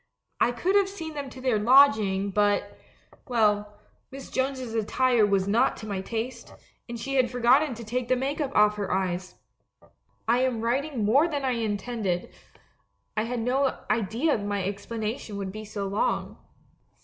I could have seen them to their lodging, but — well, Miss Jones's attire was not to my taste, and she had forgotten to take the make up off her eyes. "I am writing more than I intended; I had no idea that my explanation would be so long!